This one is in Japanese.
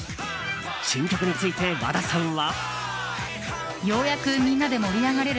新曲について、和田さんは。